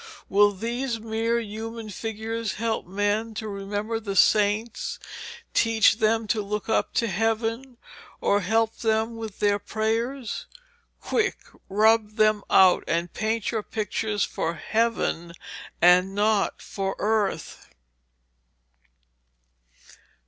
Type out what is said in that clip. Will these mere human figures help men to remember the saints, teach them to look up to heaven, or help them with their prayers? Quick, rub them out, and paint your pictures for heaven and not for earth.'